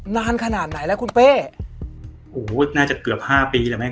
นานขนาดไหนแล้วคุณเป้โอ้โหน่าจะเกือบห้าปีแล้วแม่